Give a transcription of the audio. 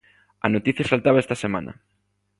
A noticia saltaba esta semana.